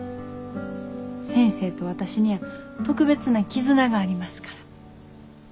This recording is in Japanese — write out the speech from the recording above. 先生と私には特別な絆がありますから。